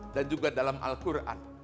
dan juga dalam al quran